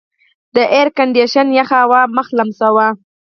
د ایرکنډېشن یخه هوا مخ لمساوه.